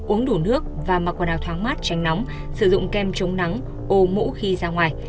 uống đủ nước và mặc quần áo thoáng mát tránh nóng sử dụng kem chống nắng ô mũ khi ra ngoài